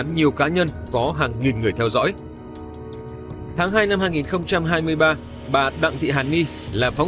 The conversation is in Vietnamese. nhiều cái hành vi vi phạm